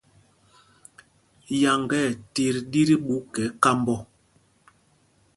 Yáŋga ɛ tit ɗí tí ɓu kɛ kamb ɔ.